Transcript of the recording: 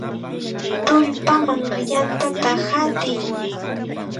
¡Tullpaman yantata hatiy!